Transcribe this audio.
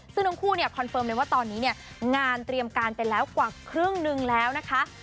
ซึ่งทั้งคู่เนี่ยคอนเฟิร์มเลยว่าตอนนี้เนี่ยงานเตรียมการไปแล้วกว่าครึ่งนึงแล้วนะคะ